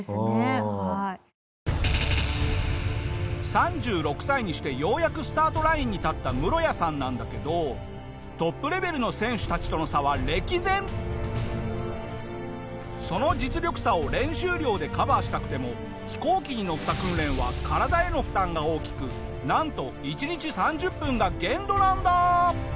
３６歳にしてようやくスタートラインに立ったムロヤさんなんだけどその実力差を練習量でカバーしたくても飛行機に乗った訓練は体への負担が大きくなんと１日３０分が限度なんだ！